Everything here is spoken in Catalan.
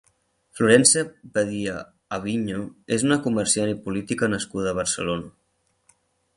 Florencia Badia Aviño és una comerciant i política nascuda a Barcelona.